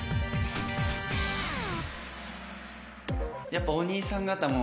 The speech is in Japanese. やっぱお兄さん方も。